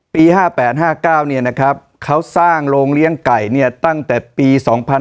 ๕๘๕๙เขาสร้างโรงเลี้ยงไก่ตั้งแต่ปี๒๕๕๙